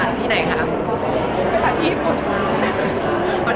นั่นที่ไหนค่ะ